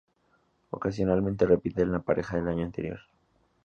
Ocasionalmente repiten la pareja del año anterior.